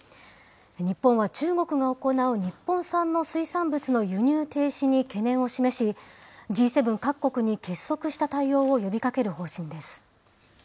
日本は中国が行う日本産の水産物の輸入停止に懸念を示し、Ｇ７各国に結束した対応を呼びかける方針です。